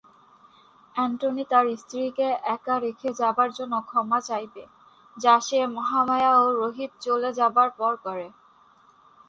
Antony তার স্ত্রীকে একা রেখে যাবার জন্য ক্ষমা চাইবে, যা সে মহামায়া ও রোহিত চলে যাবার পর করে।